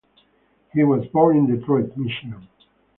He was born in Detroit, Michigan.